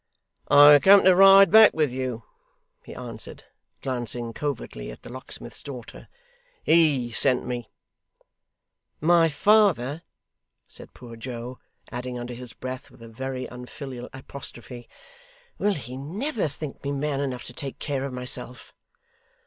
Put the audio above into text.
'I come to ride back with you,' he answered, glancing covertly at the locksmith's daughter. 'HE sent me.' 'My father!' said poor Joe; adding under his breath, with a very unfilial apostrophe, 'Will he never think me man enough to take care of myself!